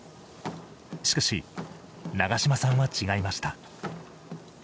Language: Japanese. しかし、長嶋さんは違いました。